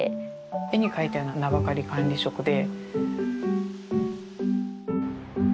「絵に描いたような名ばかり管理職で」。